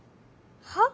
はっ？